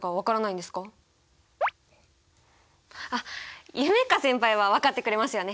あっ夢叶先輩は分かってくれますよね！